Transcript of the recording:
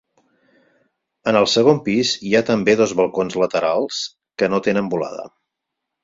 En el segon pis hi ha també dos balcons laterals, que no tenen volada.